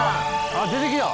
あっ出てきた！